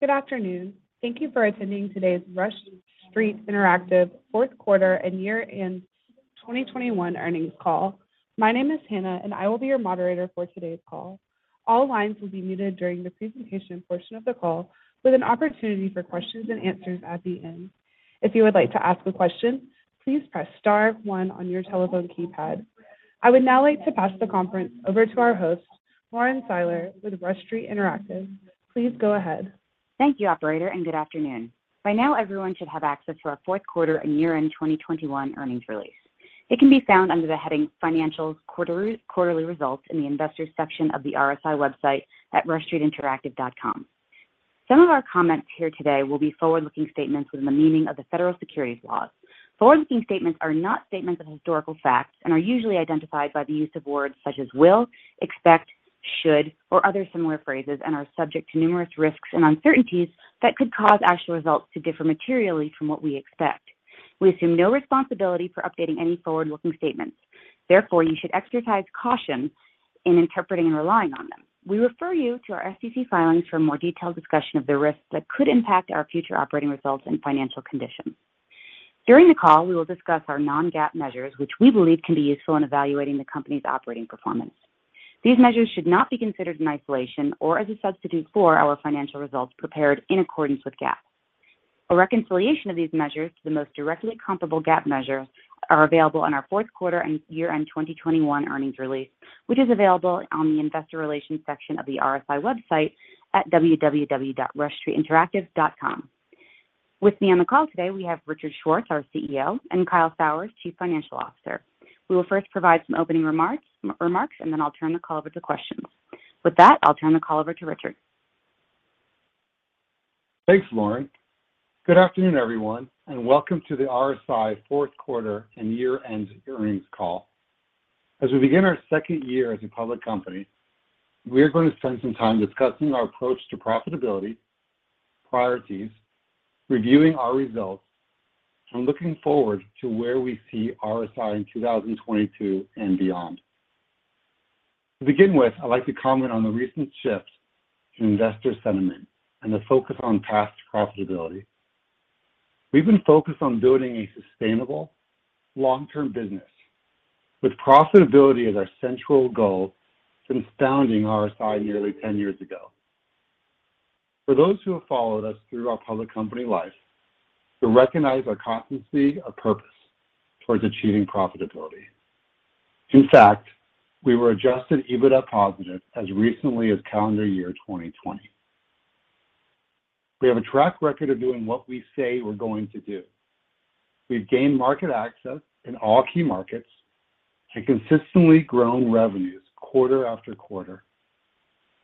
Good afternoon. Thank you for attending today's Rush Street Interactive Fourth Quarter and Year-End 2021 Earnings Call. My name is Hannah, and I will be your moderator for today's call. All lines will be muted during the presentation portion of the call, with an opportunity for questions and answers at the end. If you would like to ask a question, please press star one on your telephone keypad. I would now like to pass the conference over to our host, Lauren Seiler with Rush Street Interactive. Please go ahead. Thank you, operator, and good afternoon. By now, everyone should have access to our fourth quarter and year-end 2021 earnings release. It can be found under the heading Financials Quarterly Results in the Investors section of the RSI website at rushstreetinteractive.com. Some of our comments here today will be forward-looking statements within the meaning of the federal securities laws. Forward-looking statements are not statements of historical facts and are usually identified by the use of words such as will, expect, should, or other similar phrases and are subject to numerous risks and uncertainties that could cause actual results to differ materially from what we expect. We assume no responsibility for updating any forward-looking statements. Therefore, you should exercise caution in interpreting and relying on them. We refer you to our SEC filings for a more detailed discussion of the risks that could impact our future operating results and financial conditions. During the call, we will discuss our non-GAAP measures, which we believe can be useful in evaluating the company's operating performance. These measures should not be considered in isolation or as a substitute for our financial results prepared in accordance with GAAP. A reconciliation of these measures to the most directly comparable GAAP measures are available in our fourth quarter and year-end 2021 earnings release, which is available on the Investor Relations section of the RSI website at www.rushstreetinteractive.com. With me on the call today, we have Richard Schwartz, our CEO, and Kyle Sauers, Chief Financial Officer. We will first provide some opening remarks, and then I'll turn the call over to questions. With that, I'll turn the call over to Richard. Thanks, Lauren. Good afternoon, everyone, and welcome to the RSI fourth quarter and year-end earnings call. As we begin our second year as a public company, we are going to spend some time discussing our approach to profitability, priorities, reviewing our results, and looking forward to where we see RSI in 2022 and beyond. To begin with, I'd like to comment on the recent shift in investor sentiment and the focus on past profitability. We've been focused on building a sustainable long-term business with profitability as our central goal since founding RSI nearly 10 years ago. For those who have followed us through our public company life will recognize our constancy of purpose towards achieving profitability. In fact, we were Adjusted EBITDA-positive as recently as calendar year 2020. We have a track record of doing what we say we're going to do. We've gained market access in all key markets and consistently grown revenues quarter-after-quarter.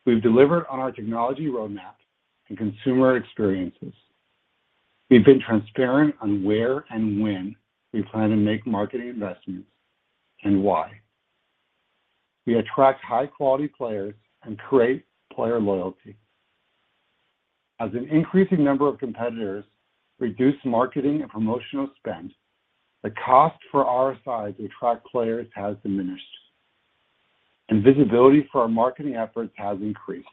We've delivered on our technology roadmap and consumer experiences. We've been transparent on where and when we plan to make marketing investments and why. We attract high-quality players and create player loyalty. As an increasing number of competitors reduce marketing and promotional spend, the cost for RSI to attract players has diminished, and visibility for our marketing efforts has increased.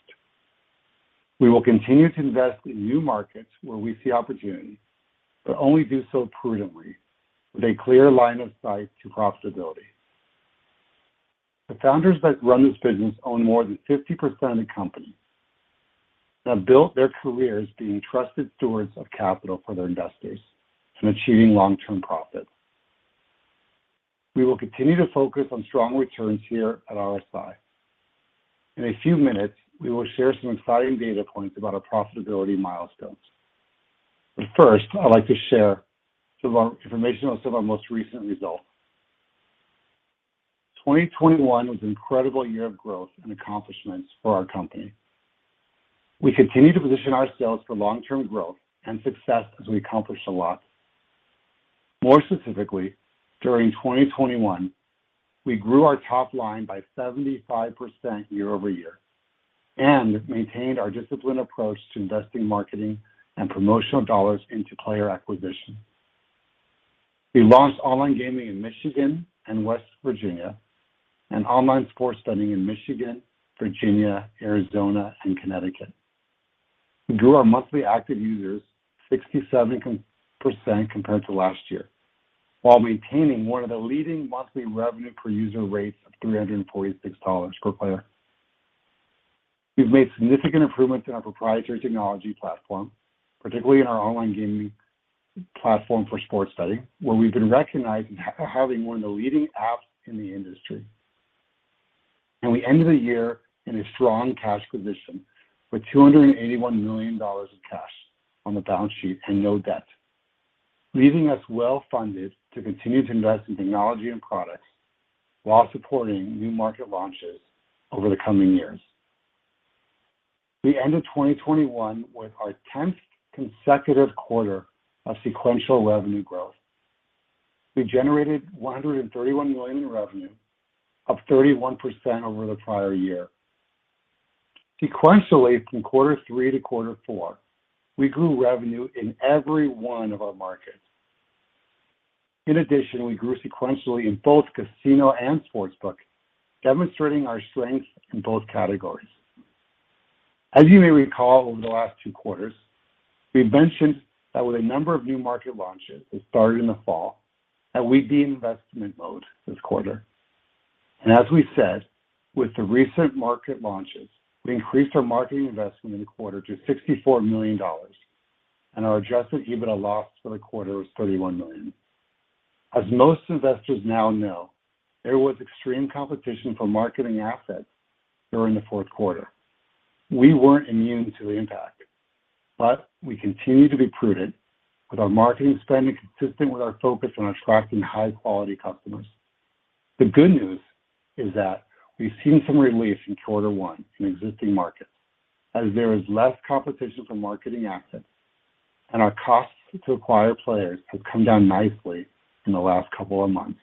We will continue to invest in new markets where we see opportunity, but only do so prudently with a clear line of sight to profitability. The founders that run this business own more than 50% of the company and have built their careers being trusted stewards of capital for their investors in achieving long-term profits. We will continue to focus on strong returns here at RSI. In a few minutes, we will share some exciting data points about our profitability milestones. First, I'd like to share some of our information on some of our most recent results. 2021 was an incredible year of growth and accomplishments for our company. We continue to position ourselves for long-term growth and success as we accomplished a lot. More specifically, during 2021, we grew our top line by 75% year-over-year and maintained our disciplined approach to investing marketing and promotional dollars into player acquisition. We launched online gaming in Michigan and West Virginia and online sports betting in Michigan, Virginia, Arizona, and Connecticut. We grew our monthly active users 67% compared to last year while maintaining one of the leading monthly revenue per user rates of $346 per player. We've made significant improvements in our proprietary technology platform, particularly in our online gaming platform for sports betting, where we've been recognized having one of the leading apps in the industry. We ended the year in a strong cash position with $281 million of cash on the balance sheet and no debt, leaving us well-funded to continue to invest in technology and products while supporting new market launches over the coming years. We ended 2021 with our tenth consecutive quarter of sequential revenue growth. We generated $131 million in revenue, up 31% over the prior year. Sequentially from quarter three to quarter four, we grew revenue in every one of our markets. In addition, we grew sequentially in both casino and sportsbook, demonstrating our strength in both categories. As you may recall over the last two quarters, we've mentioned that with a number of new market launches that started in the fall, that we'd be in investment mode this quarter. As we said, with the recent market launches, we increased our marketing investment in the quarter to $64 million, and our Adjusted EBITDA loss for the quarter was $31 million. As most investors now know, there was extreme competition for marketing assets during the fourth quarter. We weren't immune to the impact, but we continue to be prudent with our marketing spending consistent with our focus on attracting high-quality customers. The good news is that we've seen some relief in quarter one in existing markets as there is less competition for marketing assets and our cost to acquire players has come down nicely in the last couple of months.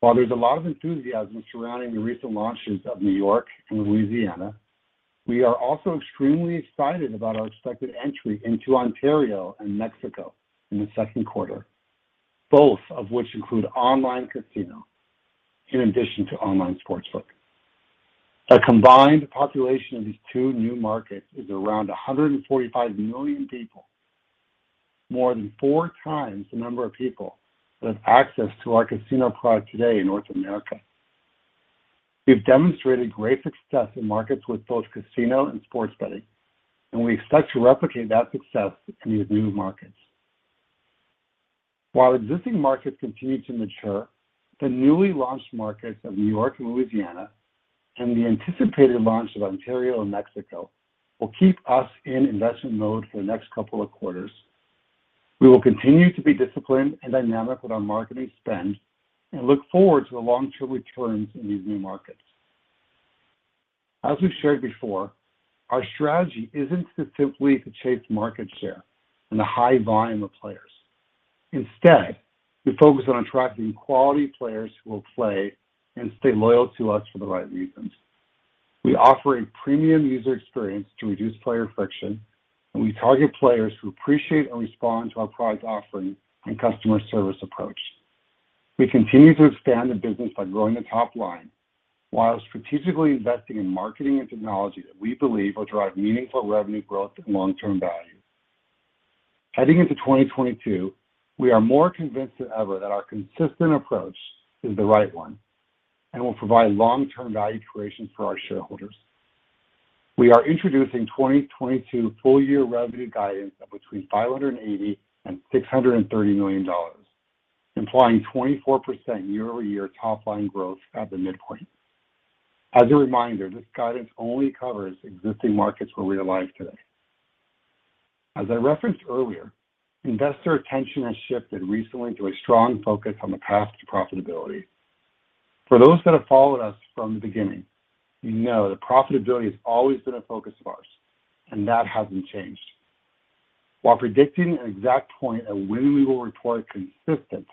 While there's a lot of enthusiasm surrounding the recent launches of New York and Louisiana, we are also extremely excited about our expected entry into Ontario and Mexico in the second quarter, both of which include online casino in addition to online sportsbook. The combined population of these two new markets is around 145 million people, more than four times the number of people with access to our casino product today in North America. We've demonstrated great success in markets with both casino and sports betting, and we expect to replicate that success in these new markets. While existing markets continue to mature, the newly launched markets of New York and Louisiana and the anticipated launch of Ontario and Mexico will keep us in investment mode for the next couple of quarters. We will continue to be disciplined and dynamic with our marketing spend and look forward to the long-term returns in these new markets. As we've shared before, our strategy isn't to simply to chase market share and the high volume of players. Instead, we focus on attracting quality players who will play and stay loyal to us for the right reasons. We offer a premium user experience to reduce player friction, and we target players who appreciate and respond to our product offering and customer service approach. We continue to expand the business by growing the top line while strategically investing in marketing and technology that we believe will drive meaningful revenue growth and long-term value. Heading into 2022, we are more convinced than ever that our consistent approach is the right one and will provide long-term value creation for our shareholders. We are introducing 2022 full year revenue guidance of between $580 million and $630 million, implying 24% year-over-year top line growth at the midpoint. As a reminder, this guidance only covers existing markets where we are live today. As I referenced earlier, investor attention has shifted recently to a strong focus on the path to profitability. For those that have followed us from the beginning, you know that profitability has always been a focus of ours, and that hasn't changed. While predicting an exact point of when we will report consistent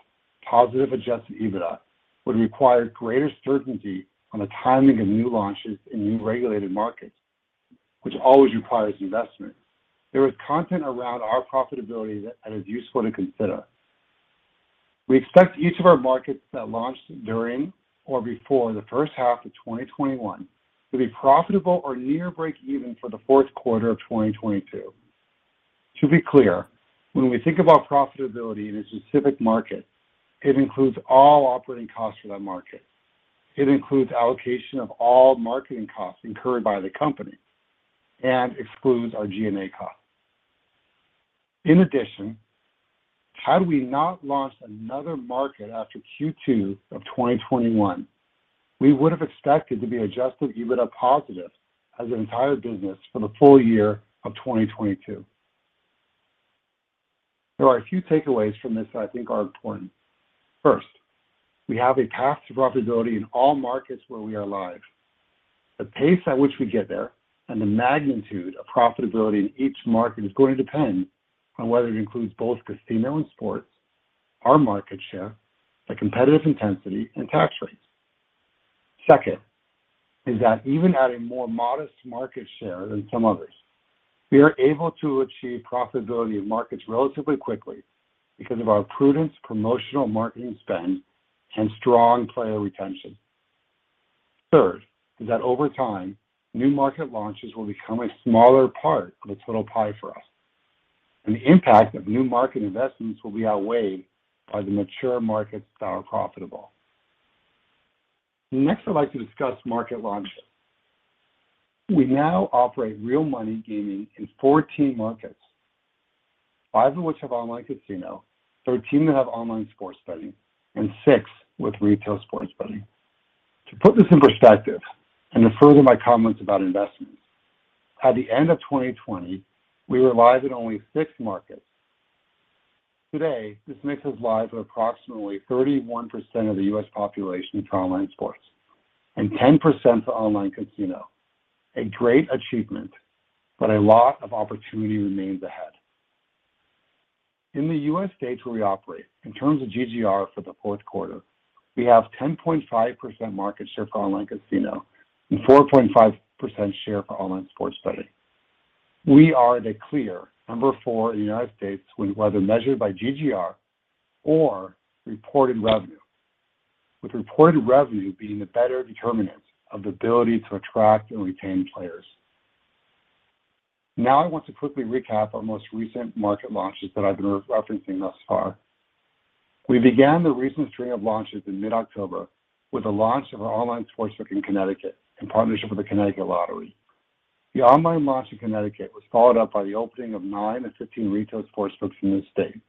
positive Adjusted EBITDA would require greater certainty on the timing of new launches in new regulated markets, which always requires investment. There is content around our profitability that is useful to consider. We expect each of our markets that launched during or before the first half of 2021 to be profitable or near breakeven for the fourth quarter of 2022. To be clear, when we think about profitability in a specific market, it includes all operating costs for that market. It includes allocation of all marketing costs incurred by the company and excludes our G&A costs. In addition, had we not launched another market after Q2 of 2021, we would have expected to be adjusted EBITDA positive as an entire business for the full year of 2022. There are a few takeaways from this that I think are important. First, we have a path to profitability in all markets where we are live. The pace at which we get there and the magnitude of profitability in each market is going to depend on whether it includes both casino and sports, our market share, the competitive intensity, and tax rates. Second is that even at a more modest market share than some others, we are able to achieve profitability in markets relatively quickly because of our prudent promotional marketing spend and strong player retention. Third is that over time, new market launches will become a smaller part of the total pie for us, and the impact of new market investments will be outweighed by the mature markets that are profitable. Next, I'd like to discuss market launches. We now operate real money gaming in 14 markets, five of which have online casino, 13 that have online sports betting, and six with retail sports betting. To put this in perspective and to further my comments about investments, at the end of 2020, we were live in only six markets. Today, this makes us live in approximately 31% of the U.S. population for online sports and 10% for online casino. A great achievement, but a lot of opportunity remains ahead. In the U.S. states where we operate, in terms of GGR for the fourth quarter, we have 10.5% market share for online casino and 4.5% share for online sports betting. We are the clear number four in the United States, whether measured by GGR or reported revenue, with reported revenue being the better determinant of the ability to attract and retain players. Now I want to quickly recap our most recent market launches that I've been referencing thus far. We began the recent string of launches in mid-October with the launch of our online sportsbook in Connecticut in partnership with the Connecticut Lottery. The online launch in Connecticut was followed up by the opening of nine of 15 retail sportsbooks in the state,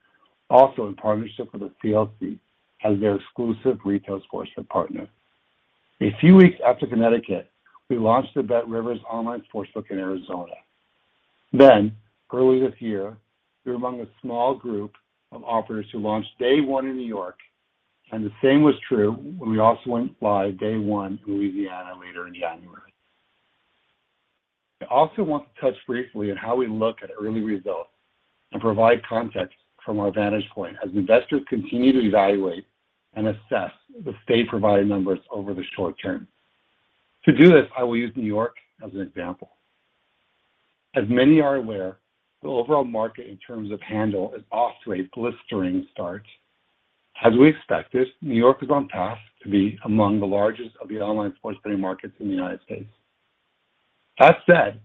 also in partnership with the CLC as their exclusive retail sportsbook partner. A few weeks after Connecticut, we launched the BetRivers online sportsbook in Arizona. Early this year, we were among a small group of operators who launched day one in New York, and the same was true when we also went live day one in Louisiana later in January. I also want to touch briefly on how we look at early results and provide context from our vantage point as investors continue to evaluate and assess the state-provided numbers over the short term. To do this, I will use New York as an example. As many are aware, the overall market in terms of handle is off to a blistering start. As we expected, New York is on task to be among the largest of the online sports betting markets in the United States. That said,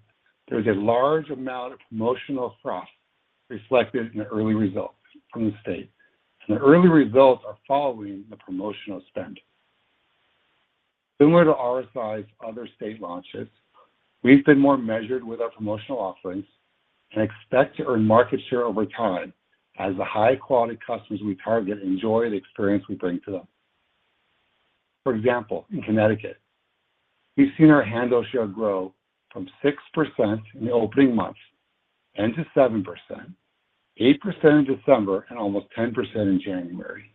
there is a large amount of promotional froth reflected in the early results from the state, and the early results are following the promotional spend. Similar to RSI's other state launches, we've been more measured with our promotional offerings and expect to earn market share over time as the high-quality customers we target enjoy the experience we bring to them. For example, in Connecticut, we've seen our handle share grow from 6% in the opening months and to 7%, 8% in December, and almost 10% in January.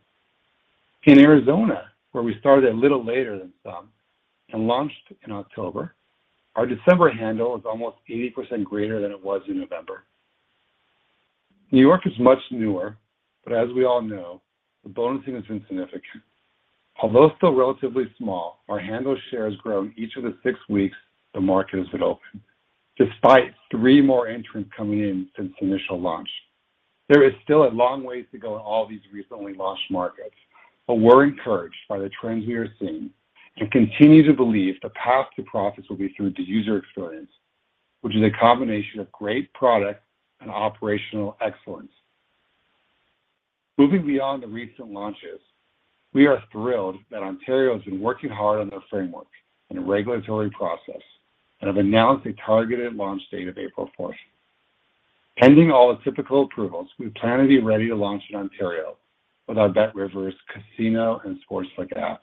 In Arizona, where we started a little later than some and launched in October, our December handle is almost 80% greater than it was in November. New York is much newer, but as we all know, the bonusing has been significant. Although still relatively small, our handle share has grown each of the six weeks the market has been open, despite three more entrants coming in since initial launch. There is still a long way to go in all these recently launched markets, but we're encouraged by the trends we are seeing and continue to believe the path to profits will be through the user experience, which is a combination of great product and operational excellence. Moving beyond the recent launches, we are thrilled that Ontario has been working hard on their framework and regulatory process and have announced a targeted launch date of April 4th. Pending all the typical approvals, we plan to be ready to launch in Ontario with our BetRivers casino and sportsbook app.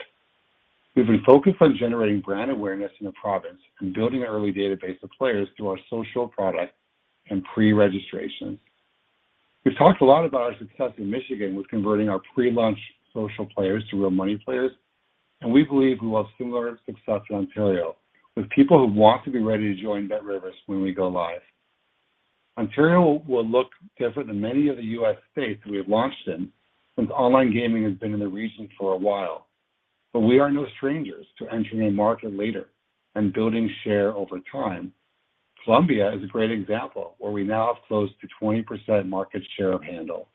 We've been focused on generating brand awareness in the province and building an early database of players through our social product and pre-registration. We've talked a lot about our success in Michigan with converting our pre-launch social players to real money players, and we believe we will have similar success in Ontario with people who want to be ready to join BetRivers when we go live. Ontario will look different than many of the U.S. states we have launched in since online gaming has been in the region for a while. We are no strangers to entering a market later and building share over time. Colombia is a great example where we now have close to 20% market share of handle.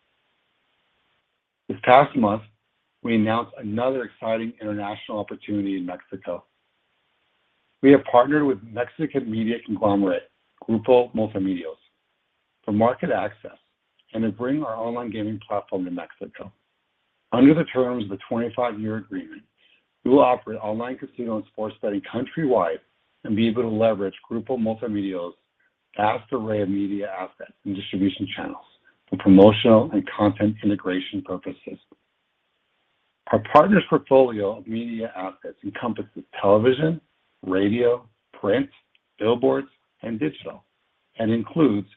This past month, we announced another exciting international opportunity in Mexico. We have partnered with Mexican media conglomerate, Grupo Multimedios, for market access and to bring our online gaming platform to Mexico. Under the terms of the 25-year agreement, we will operate online casino and sports betting countrywide and be able to leverage Grupo Multimedios' vast array of media assets and distribution channels for promotional and content integration purposes. Our partner's portfolio of media assets encompasses television, radio, print, billboards, and digital, and includes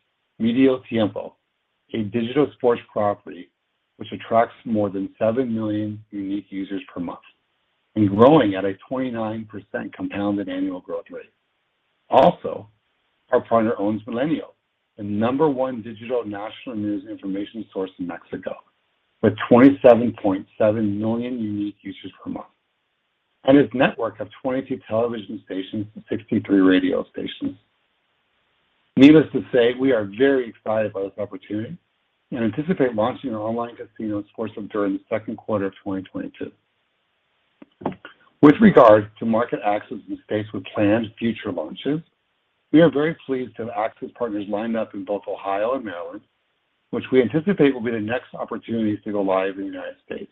Mediotiempo, a digital sports property which attracts more than seven million unique users per month and growing at a 29% compounded annual growth rate. Also, our partner owns Milenio, the number one digital national news information source in Mexico with 27.7 million unique users per month, and its network of 22 television stations and 63 radio stations. Needless to say, we are very excited by this opportunity and anticipate launching our online casino and sportsbook during the second quarter of 2022. With regard to market access in the space with planned future launches, we are very pleased to have access partners lined up in both Ohio and Maryland, which we anticipate will be the next opportunities to go live in the United States.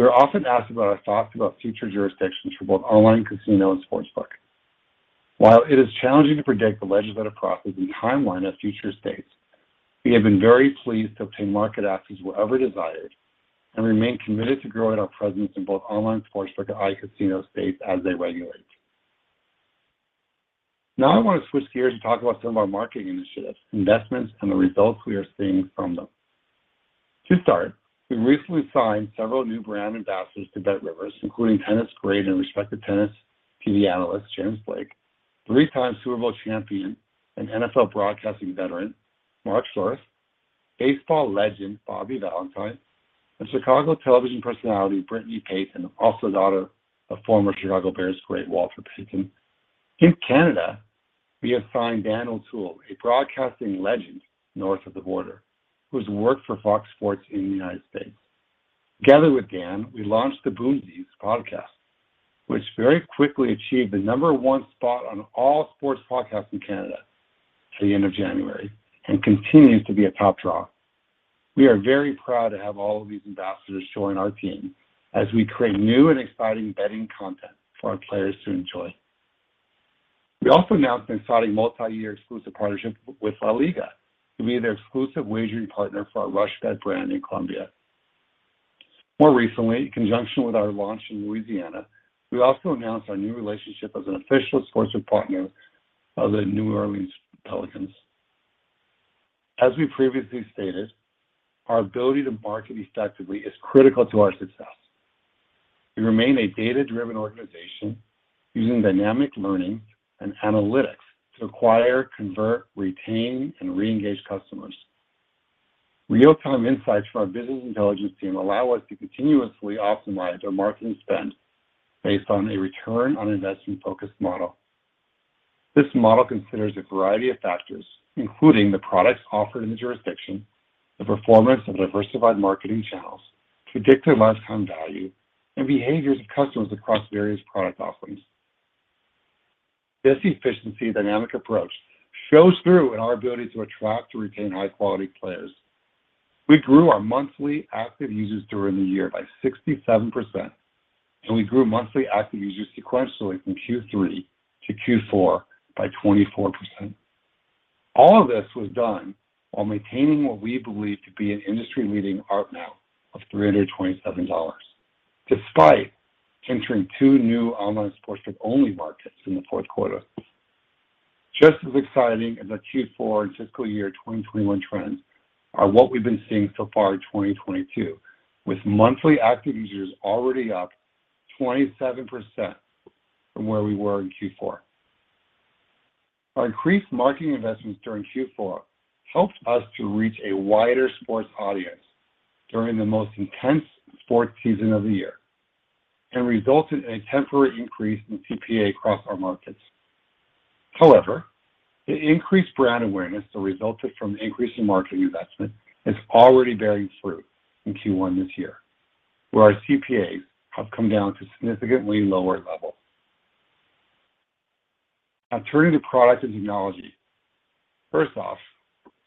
We are often asked about our thoughts about future jurisdictions for both online casino and sportsbook. While it is challenging to predict the legislative process and timeline of future states, we have been very pleased to obtain market access wherever desired and remain committed to growing our presence in both online sportsbook iCasino states as they regulate. Now, I want to switch gears and talk about some of our marketing initiatives, investments, and the results we are seeing from them. To start, we recently signed several new brand ambassadors to BetRivers, including tennis great and respected tennis TV analyst, James Blake, three-time Super Bowl champion and NFL broadcasting veteran, Mark Schlereth, baseball legend Bobby Valentine and Chicago television personality Brittney Payton, also daughter of former Chicago Bears great Walter Payton. In Canada, we announced Dan O'Toole, a broadcasting legend north of the border, who's worked for Fox Sports in the United States. Together with Dan, we launched the Boomsies! podcast, which very quickly achieved the number one spot on all sports podcasts in Canada at the end of January and continues to be a top draw. We are very proud to have all of these ambassadors join our team as we create new and exciting betting content for our players to enjoy. We also announced an exciting multi-year exclusive partnership with LaLiga to be their exclusive wagering partner for our RushBet brand in Colombia. More recently, in conjunction with our launch in Louisiana, we also announced our new relationship as an official sports partner of the New Orleans Pelicans. As we previously stated, our ability to market effectively is critical to our success. We remain a data-driven organization using dynamic learning and analytics to acquire, convert, retain, and reengage customers. Real-time insights from our business intelligence team allow us to continuously optimize our marketing spend based on a return on investment-focused model. This model considers a variety of factors, including the products offered in the jurisdiction, the performance of diversified marketing channels to predict their lifetime value and behaviors of customers across various product offerings. This efficient dynamic approach shows through in our ability to attract or retain high-quality players. We grew our monthly active users during the year by 67%, and we grew monthly active users sequentially from Q3 to Q4 by 24%. All of this was done while maintaining what we believe to be an industry-leading ARPDAU of $327, despite entering two new online sports betting-only markets in the fourth quarter. Just as exciting as the Q4 and fiscal year 2021 trends are what we've been seeing so far in 2022, with monthly active users already up 27% from where we were in Q4. Our increased marketing investments during Q4 helped us to reach a wider sports audience during the most intense sports season of the year and resulted in a temporary increase in CPA across our markets. However, the increased brand awareness that resulted from the increase in marketing investment is already bearing fruit in Q1 this year, where our CPAs have come down to significantly lower levels. Now turning to product and technology. First off,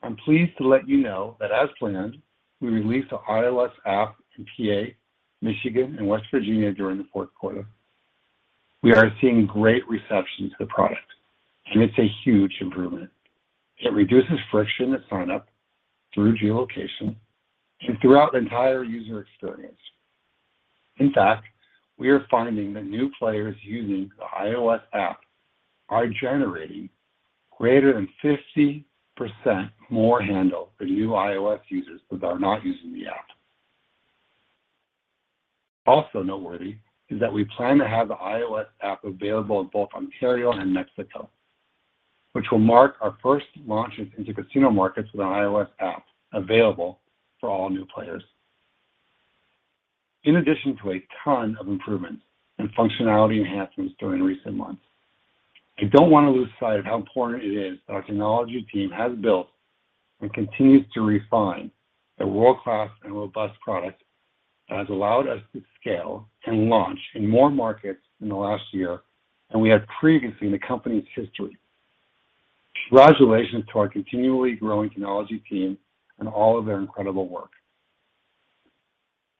I'm pleased to let you know that as planned, we released the iOS app in PA, Michigan, and West Virginia during the fourth quarter. We are seeing great reception to the product, and it's a huge improvement. It reduces friction at sign-up through geolocation and throughout the entire user experience. In fact, we are finding that new players using the iOS app are generating greater than 50% more handle for new iOS users that are not using the app. Also noteworthy is that we plan to have the iOS app available in both Ontario and Mexico, which will mark our first launches into casino markets with an iOS app available for all new players. In addition to a ton of improvements and functionality enhancements during recent months, I don't want to lose sight of how important it is that our technology team has built and continues to refine a world-class and robust product that has allowed us to scale and launch in more markets in the last year than we had previously in the company's history. Congratulations to our continually growing technology team and all of their incredible work.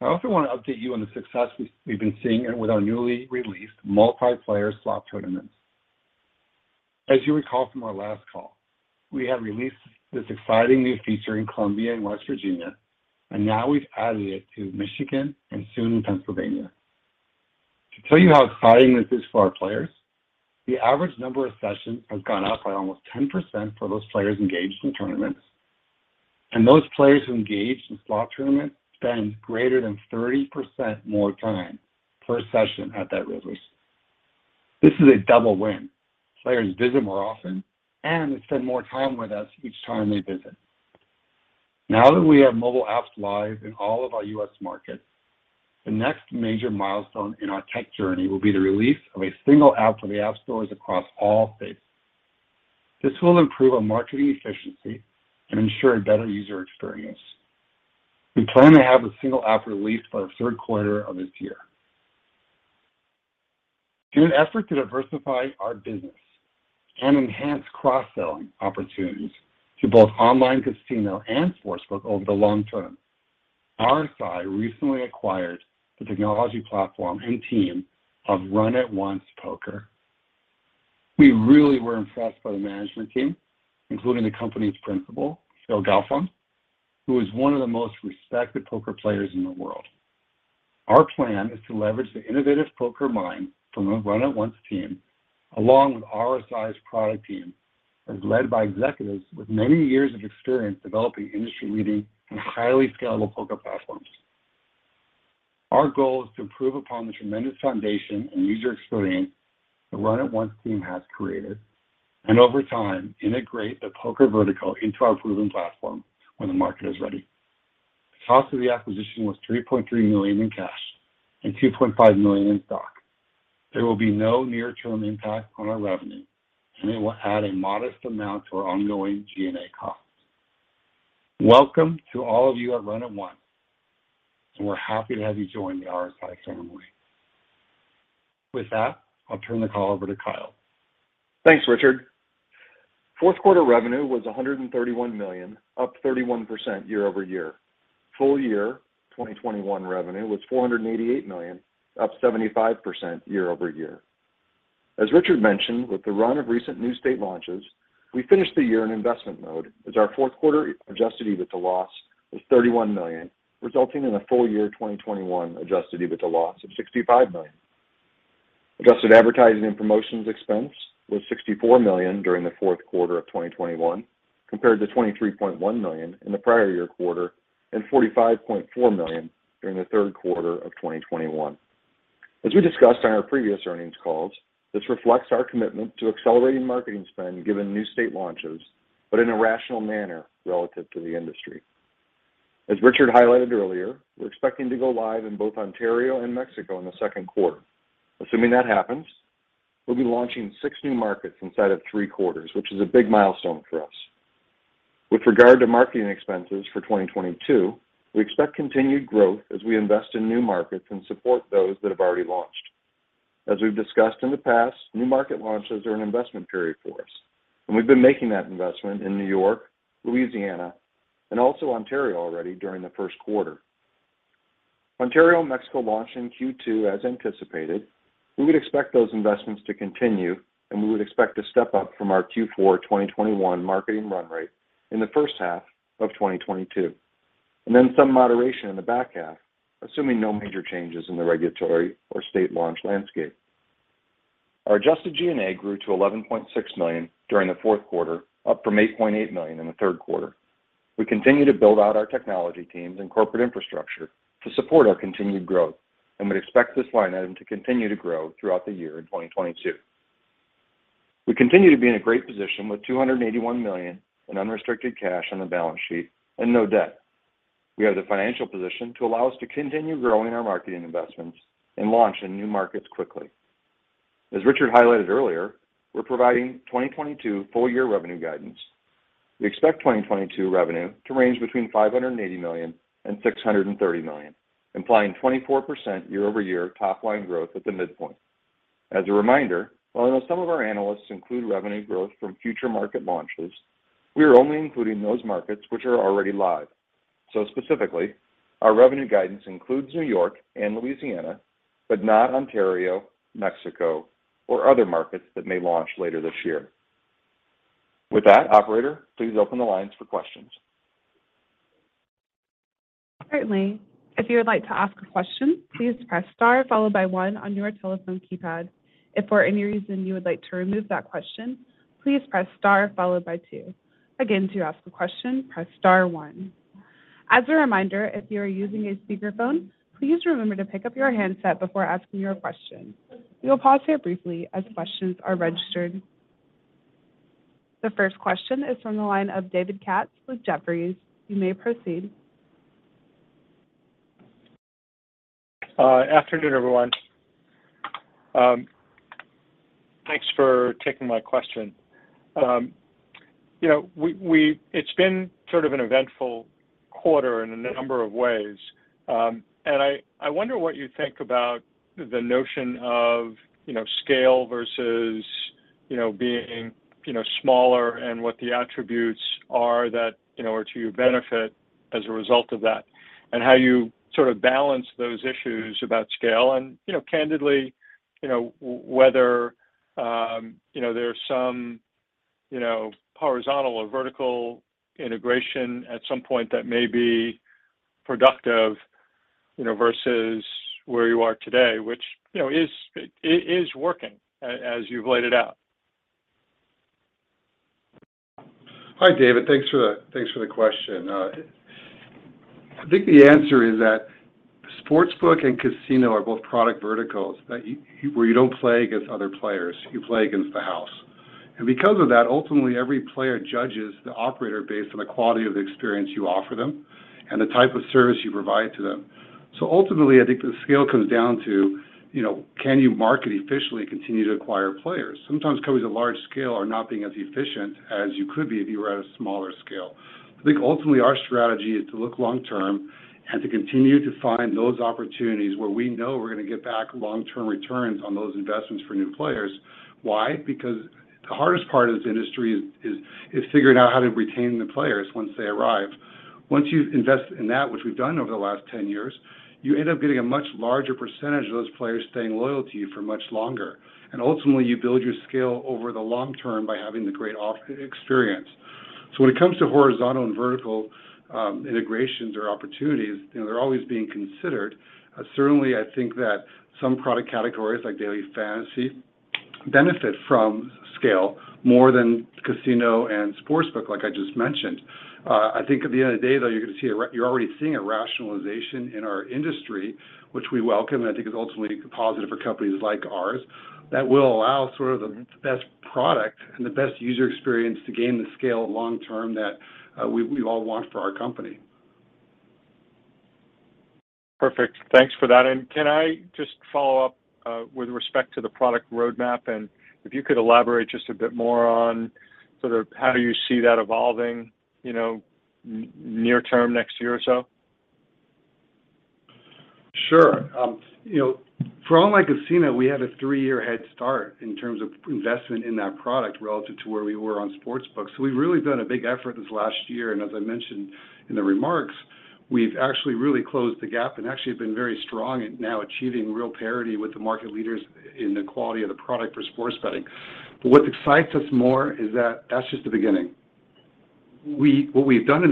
I also want to update you on the success we've been seeing with our newly released multiplayer slot tournaments. As you recall from our last call, we have released this exciting new feature in Colombia and West Virginia, and now we've added it to Michigan and soon Pennsylvania. To tell you how exciting this is for our players, the average number of sessions has gone up by almost 10% for those players engaged in tournaments, and those players who engage in slot tournaments spend greater than 30% more time per session at that release. This is a double win. Players visit more often and spend more time with us each time they visit. Now that we have mobile apps live in all of our U.S. markets, the next major milestone in our tech journey will be the release of a single app for the app stores across all states. This will improve our marketing efficiency and ensure a better user experience. We plan to have a single app released by the third quarter of this year. In an effort to diversify our business and enhance cross-selling opportunities to both online casino and sportsbook over the long term, RSI recently acquired the technology platform and team of Run It Once Poker. We really were impressed by the management team, including the company's principal, Phil Galfond, who is one of the most respected poker players in the world. Our plan is to leverage the innovative poker mind from the Run It Once team along with RSI's product team that's led by executives with many years of experience developing industry-leading and highly scalable poker platforms. Our goal is to improve upon the tremendous foundation and user experience the Run It Once team has created, and over time, integrate the poker vertical into our proven platform when the market is ready. The cost of the acquisition was $3.3 million in cash and $2.5 million in stock. There will be no near-term impact on our revenue, and it will add a modest amount to our ongoing G&A costs. Welcome to all of you at Run It Once, and we're happy to have you join the RSI family. With that, I'll turn the call over to Kyle. Thanks, Richard. Fourth quarter revenue was $131 million, up 31% year-over-year. Full year 2021 revenue was $488 million, up 75% year-over-year. As Richard mentioned, with the run of recent new state launches, we finished the year in investment mode, as our fourth quarter Adjusted EBITDA loss was $31 million, resulting in a full year 2021 Adjusted EBITDA loss of $65 million. Adjusted advertising and promotions expense was $64 million during the fourth quarter of 2021, compared to $23.1 million in the prior year quarter and $45.4 million during the third quarter of 2021. As we discussed on our previous earnings calls, this reflects our commitment to accelerating marketing spend given new state launches, but in a rational manner relative to the industry. As Richard highlighted earlier, we're expecting to go live in both Ontario and Mexico in the second quarter. Assuming that happens, we'll be launching six new markets inside of three quarters, which is a big milestone for us. With regard to marketing expenses for 2022, we expect continued growth as we invest in new markets and support those that have already launched. As we've discussed in the past, new market launches are an investment period for us, and we've been making that investment in New York, Louisiana, and also Ontario already during the first quarter. Ontario and Mexico launch in Q2 as anticipated. We would expect those investments to continue, and we would expect to step up from our Q4 2021 marketing run rate in the first half of 2022, and then some moderation in the back half, assuming no major changes in the regulatory or state launch landscape. Our adjusted G&A grew to $11.6 million during the fourth quarter, up from $8.8 million in the third quarter. We continue to build out our technology teams and corporate infrastructure to support our continued growth and would expect this line item to continue to grow throughout the year in 2022. We continue to be in a great position with $281 million in unrestricted cash on the balance sheet and no debt. We have the financial position to allow us to continue growing our marketing investments and launch in new markets quickly. As Richard highlighted earlier, we're providing 2022 full year revenue guidance. We expect 2022 revenue to range between $580 million and $630 million, implying 24% year-over-year top line growth at the midpoint. As a reminder, while some of our analysts include revenue growth from future market launches, we are only including those markets which are already live. Specifically, our revenue guidance includes New York and Louisiana, but not Ontario, Mexico, or other markets that may launch later this year. With that, operator, please open the lines for questions. Certainly. If you would like to ask a question, please press star followed by one on your telephone keypad. If for any reason you would like to remove that question, please press star followed by two. Again, to ask a question, press star one. As a reminder, if you are using a speakerphone, please remember to pick up your handset before asking your question. We will pause here briefly as questions are registered. The first question is from the line of David Katz with Jefferies. You may proceed. Afternoon, everyone. Thanks for taking my question. You know, we—it's been sort of an eventful quarter in a number of ways, and I wonder what you think about the notion of, you know, scale versus, you know, being, you know, smaller and what the attributes are that, you know, are to your benefit as a result of that and how you sort of balance those issues about scale and, you know, candidly, you know, whether, you know, there's some, you know, horizontal or vertical integration at some point that may be productive, you know, versus where you are today, which, you know, is working as you've laid it out. Hi, David. Thanks for the question. I think the answer is that sportsbook and casino are both product verticals that where you don't play against other players, you play against the house. Because of that, ultimately every player judges the operator based on the quality of the experience you offer them and the type of service you provide to them. Ultimately, I think the scale comes down to, you know, can you market efficiently continue to acquire players? Sometimes companies of large scale are not being as efficient as you could be if you were at a smaller scale. I think ultimately our strategy is to look long term and to continue to find those opportunities where we know we're gonna get back long-term returns on those investments for new players. Why? Because the hardest part of this industry is figuring out how to retain the players once they arrive. Once you invest in that, which we've done over the last 10 years, you end up getting a much larger percentage of those players staying loyal to you for much longer. Ultimately, you build your scale over the long term by having the great offline experience. When it comes to horizontal and vertical integrations or opportunities, you know, they're always being considered. Certainly, I think that some product categories, like daily fantasy Benefit from scale more than casino and sportsbook, like I just mentioned. I think at the end of the day, though, you're gonna see you're already seeing a rationalization in our industry, which we welcome, and I think is ultimately positive for companies like ours, that will allow sort of the best product and the best user experience to gain the scale long-term that we all want for our company. Perfect. Thanks for that. Can I just follow up with respect to the product roadmap? If you could elaborate just a bit more on sort of how you see that evolving, you know, near term, next year or so? Sure. You know, for online casino, we had a three-year head start in terms of investment in that product relative to where we were on sportsbook. We've really done a big effort this last year, and as I mentioned in the remarks, we've actually really closed the gap and actually have been very strong at now achieving real parity with the market leaders in the quality of the product for sports betting. What excites us more is that that's just the beginning. What we've done in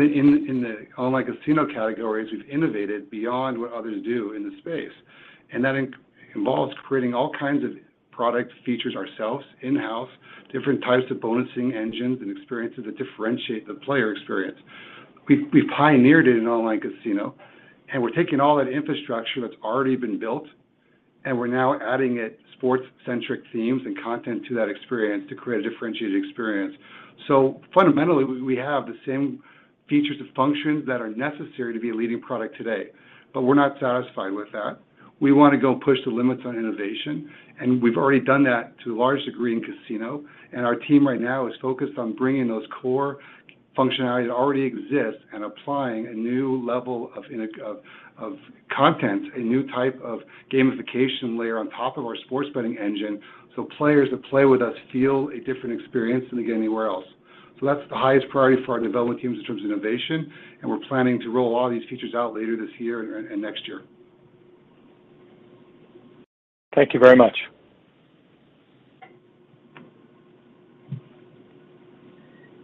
the online casino category is we've innovated beyond what others do in the space, and that involves creating all kinds of product features ourselves in-house, different types of bonusing engines and experiences that differentiate the player experience. We've pioneered it in online casino, and we're taking all that infrastructure that's already been built, and we're now adding sports-centric themes and content to that experience to create a differentiated experience. Fundamentally, we have the same features and functions that are necessary to be a leading product today, but we're not satisfied with that. We wanna go push the limits on innovation, and we've already done that to a large degree in casino. Our team right now is focused on bringing those core functionalities that already exist and applying a new level of content, a new type of gamification layer on top of our sports betting engine, so players that play with us feel a different experience than they get anywhere else. That's the highest priority for our development teams in terms of innovation, and we're planning to roll a lot of these features out later this year and next year. Thank you very much.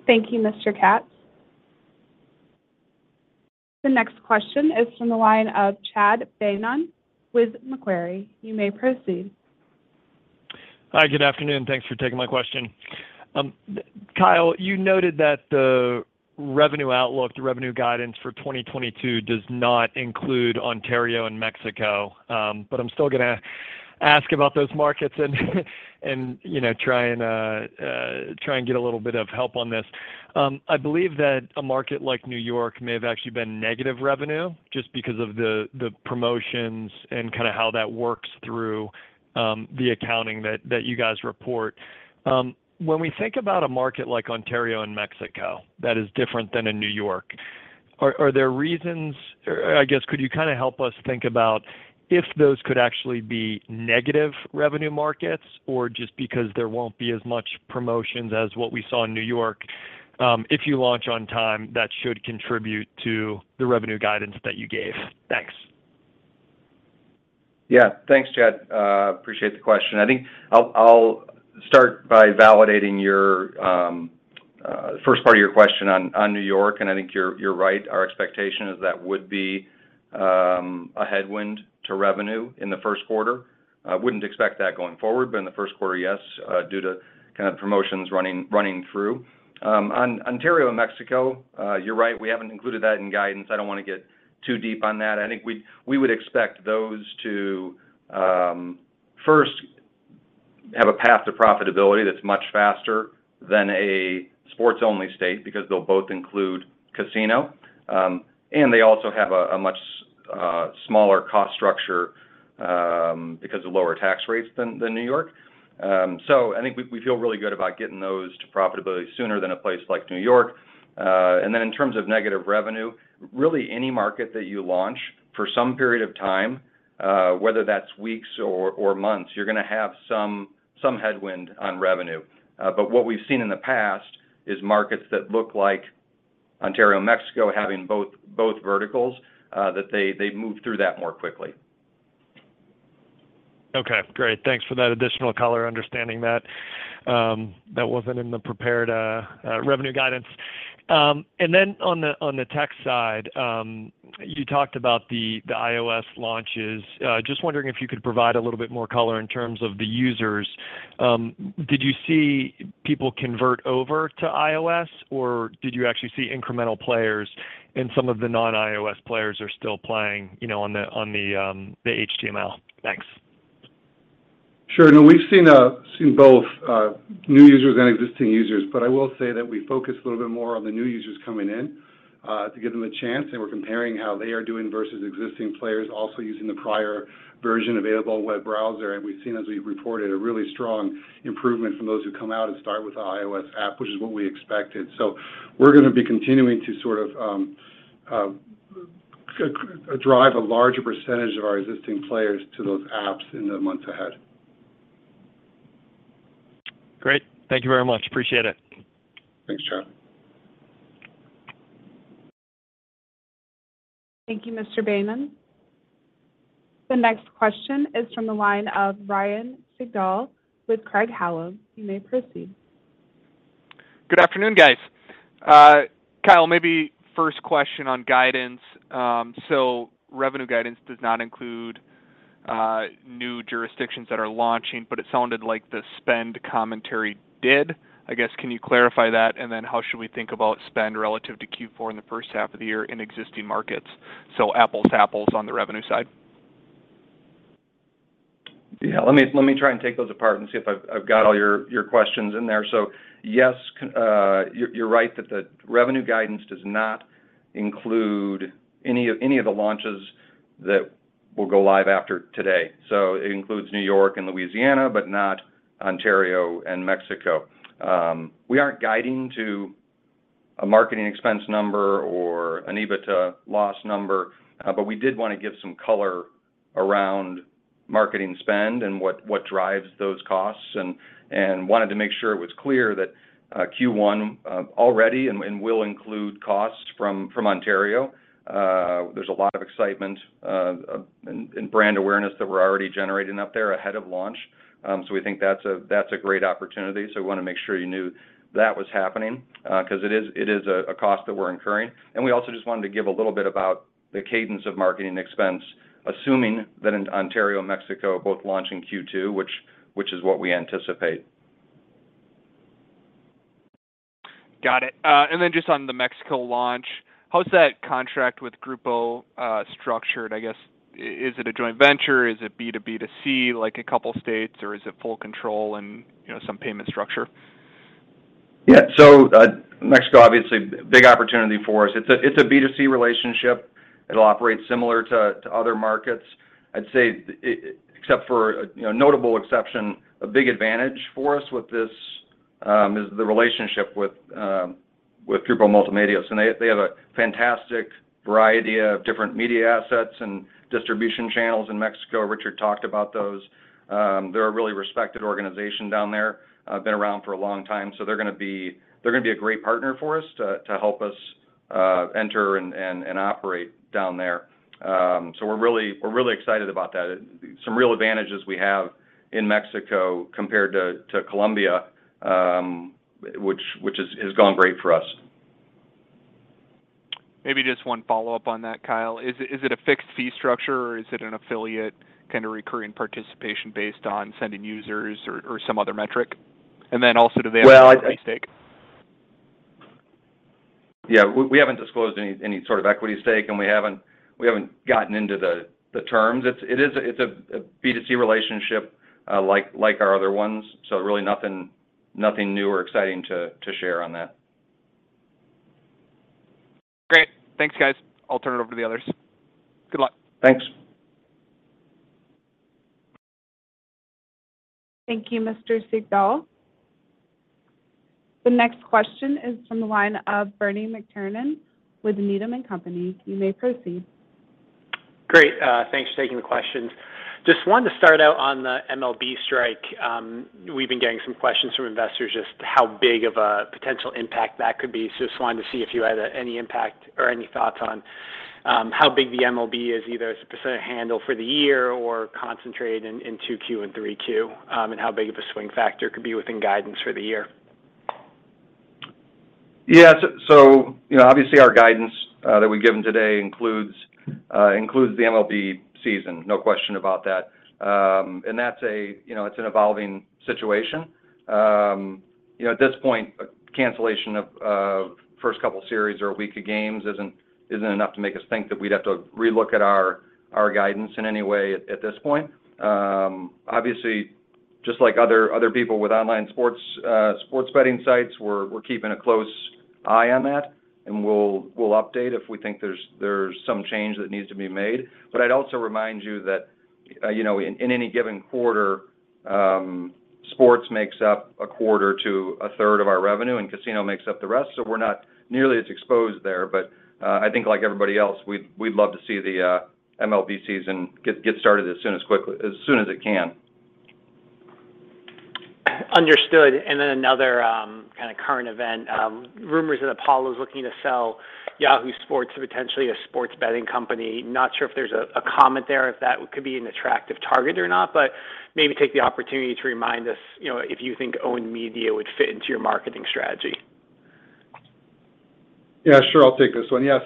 Thank you, Mr. Katz. The next question is from the line of Chad Beynon with Macquarie. You may proceed. Hi, good afternoon. Thanks for taking my question. Kyle, you noted that the revenue outlook, the revenue guidance for 2022 does not include Ontario and Mexico, but I'm still gonna ask about those markets and, you know, try and get a little bit of help on this. I believe that a market like New York may have actually been negative revenue just because of the promotions and kinda how that works through the accounting that you guys report. When we think about a market like Ontario and Mexico that is different than in New York, are there reasons or I guess could you kinda help us think about if those could actually be negative revenue markets or just because there won't be as much promotions as what we saw in New York, if you launch on time, that should contribute to the revenue guidance that you gave? Thanks. Yeah. Thanks, Chad. Appreciate the question. I think I'll start by validating your first part of your question on New York, and I think you're right. Our expectation is that would be a headwind to revenue in the first quarter. Wouldn't expect that going forward, but in the first quarter, yes, due to kind of promotions running through. On Ontario and Mexico, you're right, we haven't included that in guidance. I don't wanna get too deep on that. I think we would expect those to first have a path to profitability that's much faster than a sports-only state because they'll both include casino, and they also have a much smaller cost structure because of lower tax rates than New York. I think we feel really good about getting those to profitability sooner than a place like New York. In terms of negative revenue, really any market that you launch for some period of time, whether that's weeks or months, you're gonna have some headwind on revenue. What we've seen in the past is markets that look like Ontario and Mexico having both verticals that they move through that more quickly. Okay. Great. Thanks for that additional color. Understanding that wasn't in the prepared revenue guidance. On the tech side, you talked about the iOS launches. I'm just wondering if you could provide a little bit more color in terms of the users. Did you see people convert over to iOS, or did you actually see incremental players and some of the non-iOS players are still playing, you know, on the HTML? Thanks. Sure. No, we've seen both new users and existing users. I will say that we focus a little bit more on the new users coming in to give them a chance, and we're comparing how they are doing versus existing players also using the prior version available web browser. We've seen, as we've reported, a really strong improvement from those who come out and start with the iOS app, which is what we expected. We're gonna be continuing to sort of drive a larger percentage of our existing players to those apps in the months ahead. Great. Thank you very much. Appreciate it. Thanks, Chad. Thank you, Mr. Beynon. The next question is from the line of Ryan Sigdahl with Craig-Hallum. You may proceed. Good afternoon, guys. Kyle, maybe first question on guidance. Revenue guidance does not include new jurisdictions that are launching, but it sounded like the spend commentary did. I guess, can you clarify that? And then how should we think about spend relative to Q4 in the first half of the year in existing markets? Apples to apples on the revenue side. Yeah. Let me try and take those apart and see if I've got all your questions in there. Yes, you're right that the revenue guidance does not include any of the launches that will go live after today. It includes New York and Louisiana, but not Ontario and Mexico. We aren't guiding to a marketing expense number or an EBITDA loss number. But we did wanna give some color around marketing spend and what drives those costs and wanted to make sure it was clear that Q1 already and will include costs from Ontario. There's a lot of excitement and brand awareness that we're already generating up there ahead of launch. We think that's a great opportunity, so we wanna make sure you knew that was happening, 'cause it is a cost that we're incurring. We also just wanted to give a little bit about the cadence of marketing expense, assuming that in Ontario and Mexico are both launching Q2, which is what we anticipate. Got it. Just on the Mexico launch, how's that contract with Grupo structured? I guess, is it a joint venture? Is it B-to-B-to-C like a couple states, or is it full control and, you know, some payment structure? Yeah. Mexico, obviously big opportunity for us. It's a B-to-C relationship. It'll operate similar to other markets. I'd say except for, you know, a notable exception, a big advantage for us with this is the relationship with Grupo Multimedios. They have a fantastic variety of different media assets and distribution channels in Mexico. Richard talked about those. They're a really respected organization down there. Been around for a long time, so they're gonna be a great partner for us to help us enter and operate down there. We're really excited about that. Some real advantages we have in Mexico compared to Colombia, which has gone great for us. Maybe just one follow-up on that, Kyle. Is it a fixed fee structure, or is it an affiliate kind of recurring participation based on sending users or some other metric? And then also, do they have an equity stake? Yeah. We haven't disclosed any sort of equity stake, and we haven't gotten into the terms. It's a B-to-C relationship, like our other ones, so really nothing new or exciting to share on that. Great. Thanks, guys. I'll turn it over to the others. Good luck. Thanks. Thank you, Mr. Sigdahl. The next question is from the line of Bernie McTernan with Needham & Company. You may proceed. Great. Thanks for taking the questions. Just wanted to start out on the MLB strike. We've been getting some questions from investors just how big of a potential impact that could be. Just wanted to see if you had any impact or any thoughts on how big the MLB is, either as a % of handle for the year or concentrated in 2Q and 3Q, and how big of a swing factor it could be within guidance for the year. Yeah. You know, obviously, our guidance that we've given today includes the MLB season. No question about that. That's, you know, an evolving situation. You know, at this point, a cancellation of first couple series or a week of games isn't enough to make us think that we'd have to relook at our guidance in any way at this point. Obviously, just like other people with online sports betting sites, we're keeping a close eye on that, and we'll update if we think there's some change that needs to be made. I'd also remind you that, you know, in any given quarter, sports makes up a quarter to a third of our revenue, and casino makes up the rest. We're not nearly as exposed there. I think like everybody else, we'd love to see the MLB season get started as quickly as soon as it can. Understood. Then another kind of current event. Rumors that Apollo's looking to sell Yahoo Sports to potentially a sports betting company. Not sure if there's a comment there if that could be an attractive target or not, but maybe take the opportunity to remind us, you know, if you think owned media would fit into your marketing strategy? Yeah, sure. I'll take this one. Yeah.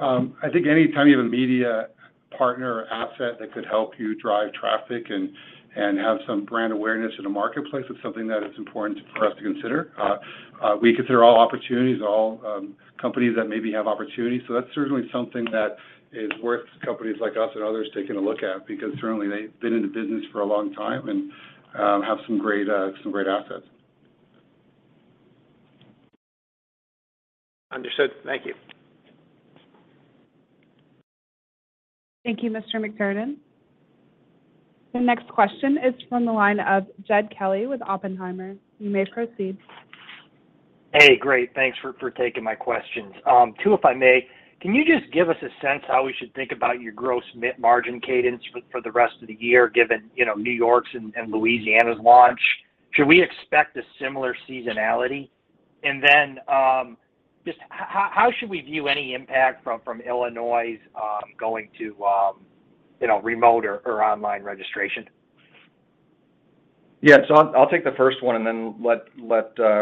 I think anytime you have a media partner or asset that could help you drive traffic and have some brand awareness in the marketplace, it's something that is important for us to consider. We consider all opportunities, all companies that maybe have opportunities, so that's certainly something that is worth companies like us and others taking a look at because certainly they've been in the business for a long time and have some great assets. Understood. Thank you. Thank you, Mr. McTernan. The next question is from the line of Jed Kelly with Oppenheimer. You may proceed. Hey, great. Thanks for taking my questions. Two, if I may. Can you just give us a sense how we should think about your gross margin cadence for the rest of the year given, you know, New York's and Louisiana's launch? Should we expect a similar seasonality? Just how should we view any impact from Illinois going to, you know, remote or online registration? I'll take the first one and then let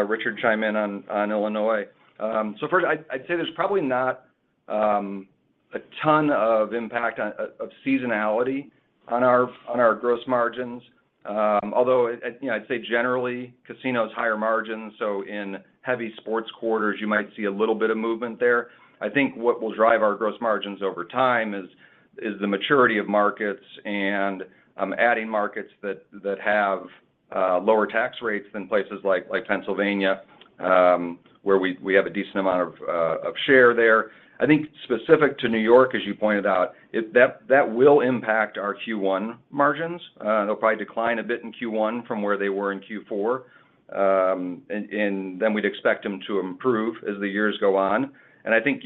Richard chime in on Illinois. First, I'd say there's probably not a ton of impact of seasonality on our gross margins. Although, you know, I'd say generally casino's higher margin, so in heavy sports quarters, you might see a little bit of movement there. I think what will drive our gross margins over time is the maturity of markets and adding markets that have lower tax rates than places like Pennsylvania, where we have a decent amount of share there. I think specific to New York, as you pointed out, that will impact our Q1 margins. They'll probably decline a bit in Q1 from where they were in Q4. We'd expect them to improve as the years go on. I think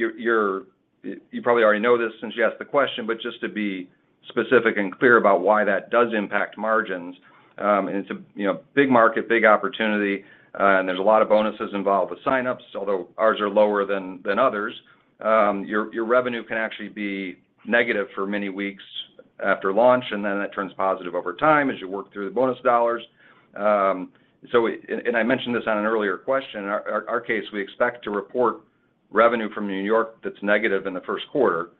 you probably already know this since you asked the question, but just to be specific and clear about why that does impact margins, and it's a you know, big market, big opportunity, and there's a lot of bonuses involved with signups, although ours are lower than others. Your revenue can actually be negative for many weeks after launch, and then it turns positive over time as you work through the bonus dollars. I mentioned this on an earlier question. Our case, we expect to report revenue from New York that's negative in the first quarter.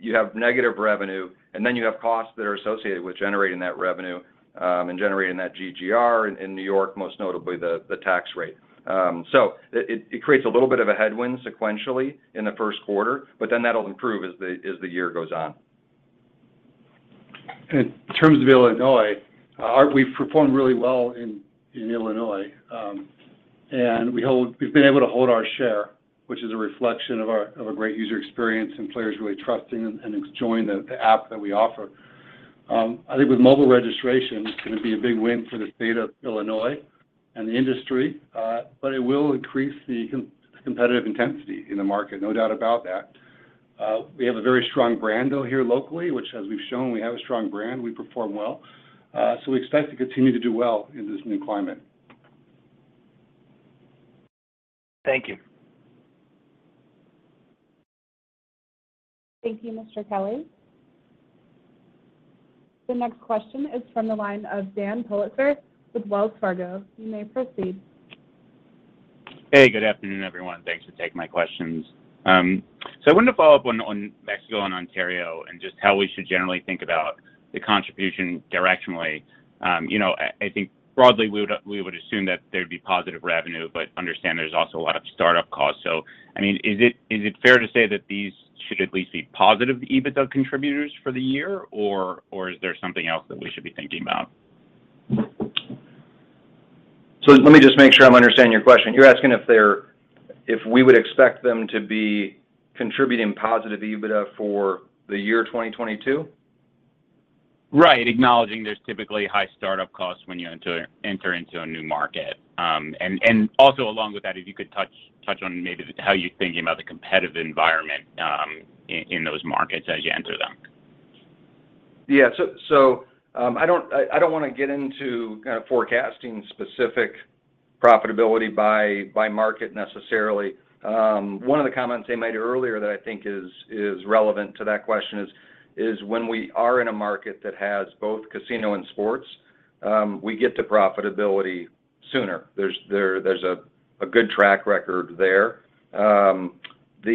You have negative revenue, and then you have costs that are associated with generating that revenue, and generating that GGR in New York, most notably the tax rate. It creates a little bit of a headwind sequentially in the first quarter, but then that'll improve as the year goes on. In terms of Illinois, we've performed really well in Illinois. We've been able to hold our share, which is a reflection of a great user experience and players really trusting and enjoying the app that we offer. I think with mobile registration, it's gonna be a big win for the state of Illinois and the industry, but it will increase the competitive intensity in the market. No doubt about that. We have a very strong brand here locally, which as we've shown, we perform well. We expect to continue to do well in this new climate. Thank you. Thank you, Mr. Kelly. The next question is from the line of Daniel Politzer with Wells Fargo. You may proceed. Hey, good afternoon, everyone. Thanks for taking my questions. I wanted to follow up on Mexico and Ontario and just how we should generally think about the contribution directionally. You know, I think broadly we would assume that there'd be positive revenue, but understand there's also a lot of startup costs. I mean, is it fair to say that these should at least be positive EBITDA contributors for the year, or is there something else that we should be thinking about? Let me just make sure I'm understanding your question. You're asking if we would expect them to be contributing positive EBITDA for the year 2022? Right. Acknowledging there's typically high startup costs when you enter into a new market. Also along with that, if you could touch on maybe how you're thinking about the competitive environment, in those markets as you enter them? I don't want to get into kind of forecasting specific profitability by market necessarily. One of the comments I made earlier that I think is relevant to that question is when we are in a market that has both casino and sports, we get to profitability sooner. There's a good track record there. You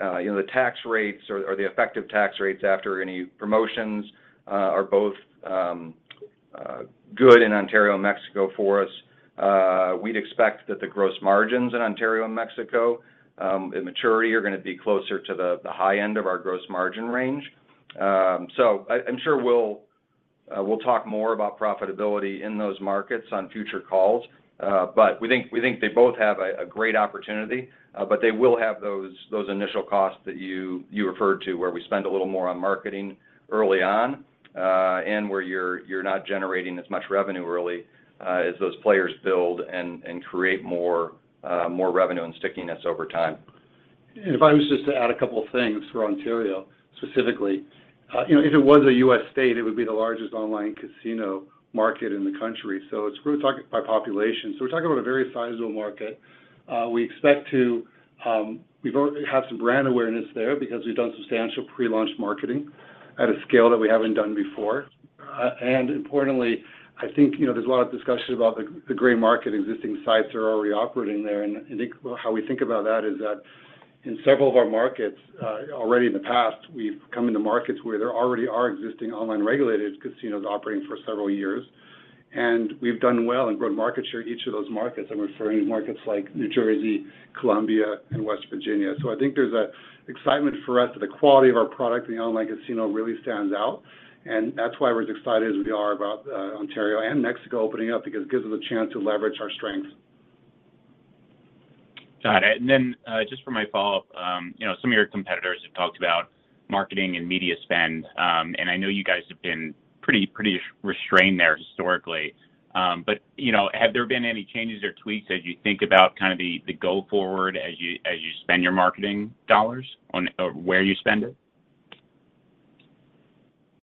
know, the tax rates or the effective tax rates after any promotions are both good in Ontario and Mexico for us. We'd expect that the gross margins in Ontario and Mexico in maturity are gonna be closer to the high end of our gross margin range. I'm sure we'll talk more about profitability in those markets on future calls. We think they both have a great opportunity, but they will have those initial costs that you referred to, where we spend a little more on marketing early on, and where you're not generating as much revenue early, as those players build and create more revenue and stickiness over time. If I was just to add a couple things for Ontario specifically. If it was a U.S. state, it would be the largest online casino market in the country. It's by population. We're talking about a very sizable market. We expect to have some brand awareness there because we've done substantial pre-launch marketing at a scale that we haven't done before. Importantly, I think there's a lot of discussion about the gray market, existing sites that are already operating there. I think how we think about that is that in several of our markets already in the past, we've come into markets where there already are existing online regulated casinos operating for several years, and we've done well and grown market share each of those markets. I'm referring to markets like New Jersey, Colombia, and West Virginia. I think there's a excitement for us that the quality of our product, the online casino, really stands out. That's why we're as excited as we are about Ontario and Mexico opening up because it gives us a chance to leverage our strengths. Got it. Just for my follow-up, you know, some of your competitors have talked about marketing and media spend. I know you guys have been pretty restrained there historically. You know, have there been any changes or tweaks as you think about kind of the go forward as you spend your marketing dollars on or where you spend it?